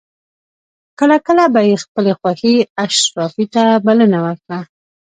کله کله به یې خپلې خوښې اشرافي ته بلنه ورکړه.